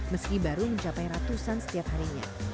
meski baru mencapai ratusan setiap harinya